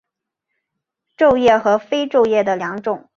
皱叶和非皱叶的两种。